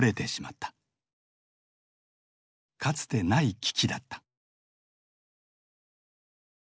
かつてない危機だった。